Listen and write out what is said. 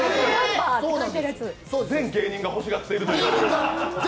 全芸人が欲しがっているという。